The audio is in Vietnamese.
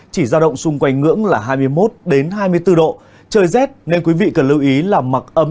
chỉ ra động xung quanh ngưỡng là hai mươi một đến hai mươi bốn độ trời rét nên quý vị cần lưu ý làm mặc ấm